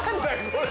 これ。